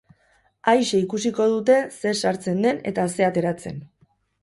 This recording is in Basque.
Aise ikusiko dute zer sartzen den eta zer ateratzen.